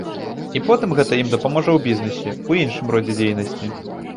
І потым гэта ім дапаможа ў бізнэсе, у іншым родзе дзейнасці.